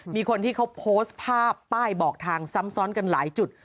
มีคนที่เขาโพสต์ภาพป้ายบอกทางซ้ำซ้อนกันหลายจุด